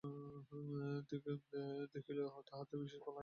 দেখিল তাহাতে বিশেষ ফল হইল না।